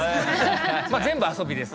まあ全部遊びです。